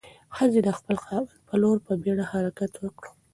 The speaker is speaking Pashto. ښځې د خپل خاوند په لور په بیړه حرکت وکړ.